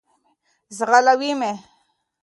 ځغلوی مي .